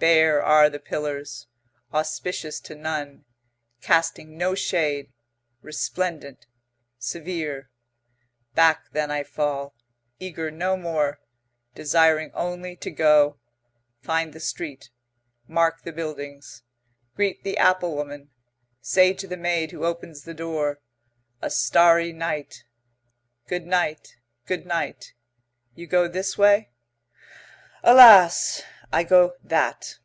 Bare are the pillars; auspicious to none; casting no shade; resplendent; severe. Back then I fall, eager no more, desiring only to go, find the street, mark the buildings, greet the applewoman, say to the maid who opens the door: A starry night. "Good night, good night. You go this way?" "Alas. I go that."